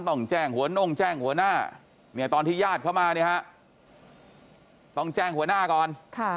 ต้องแจ้งหัวโน่งแจ้งหัวหน้าตอนที่ญาติเข้ามาต้องแจ้งหัวหน้าก่อน